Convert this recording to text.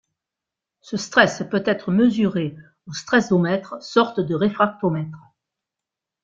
Ce stress peut être mesuré au stressomètre, sorte de réfractomètre.